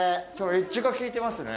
エッジが効いてますね。